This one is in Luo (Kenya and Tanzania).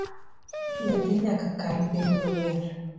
Nyathi nyaka kal penj maber